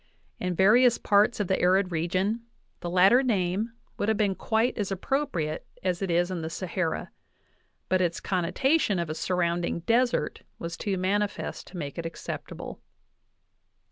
In various parts of the arid region the latter name would have been quite as appropriate as it is in the Sahara, but its connotation of a surrounding desert was too manifest to make it acceptable.